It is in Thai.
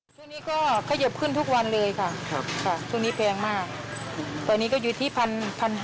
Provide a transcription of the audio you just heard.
ตอนนี้ก็ขยบขึ้นทุกวันเลยค่ะตอนนี้แพงมากตอนนี้ก็อยู่ที่๑๕๐๐๑๖๐๐บาท